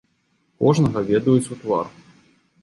Кожнага ведаюць у твар.